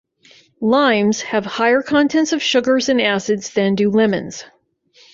Limes have higher contents of sugars and acids than do lemons.